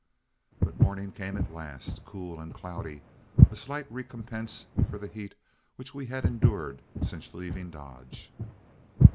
But morning came at last, cool and cloudy, a slight recompense for the heat which we had endured since leaving Dodge.